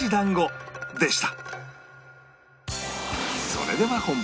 それでは本番